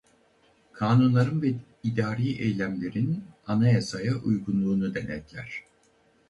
Kanunların ve idari eylemlerin anayasaya uygunluğunu denetler.